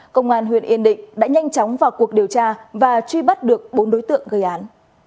công an huyện yên định đã nhanh chóng vào cuộc điều tra và truy bắt được bốn đối tượng gây án